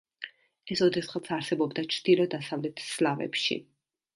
ეს ოდესღაც არსებობდა ჩრდილო-დასავლეთ სლავებში.